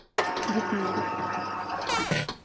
Gitmiyoruz.